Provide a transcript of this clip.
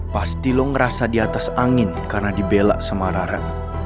pasti lo ngerasa di atas angin karena dibela sama rara